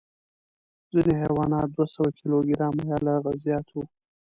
ځینې حیوانات دوه سوه کیلو ګرامه یا له هغه زیات وو.